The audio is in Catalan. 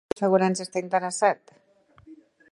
En quin tipus d'assegurança està interessat?